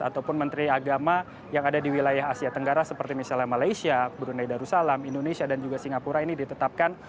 ataupun menteri agama yang ada di wilayah asia tenggara seperti misalnya malaysia brunei darussalam indonesia dan juga singapura ini ditetapkan